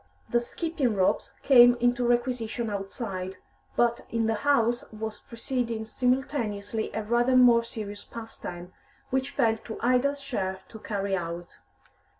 The skipping ropes came into requisition outside, but in the house was proceeding simultaneously a rather more serious pastime, which fell to Ida's share to carry out.